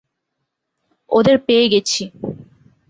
ওদের পেয়ে গেছি।